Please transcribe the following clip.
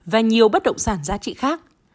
và nhiều bất động sản giá trị khác